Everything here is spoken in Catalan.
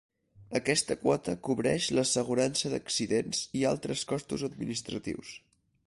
Aquesta quota cobreix l'assegurança d'accidents i altres costos administratius.